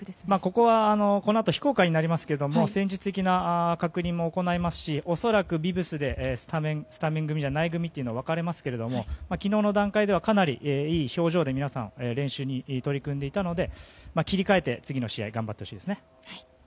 ここはこのあと非公開になりますが戦術的な確認を行いますし、恐らくビブスでスタメンとスタメンじゃない組が昨日の段階ではかなりいい表情で皆さん練習に取り組んでいたので切り替えて、次の試合頑張ってほしいですね。